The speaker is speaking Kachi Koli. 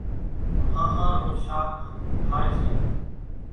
ۿانۿان نون شاک کائيَ سي۔